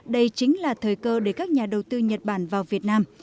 đây chính là thời cơ để các nhà đầu tư nhật bản vào việt nam